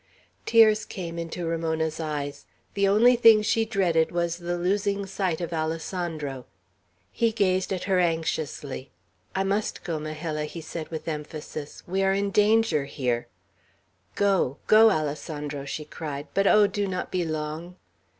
Tears came into Ramona's eyes. The only thing she dreaded was the losing sight of Alessandro. He gazed at her anxiously. "I must go, Majella," he said with emphasis. "We are in danger here." "Go! go! Alessandro," she cried. "But, oh, do not be long!"